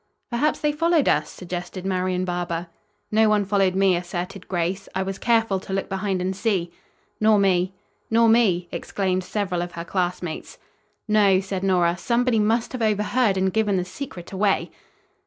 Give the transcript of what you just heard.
"Perhaps they followed us," suggested Marian Barber. "No one followed me," asserted Grace. "I was careful to look behind and see." "Nor me." "Nor me," exclaimed several of her classmates. "No," said Nora. "Somebody must have overheard and given the secret away."